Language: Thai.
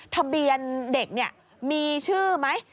ทะเบียนเด็กมีชื่อไหม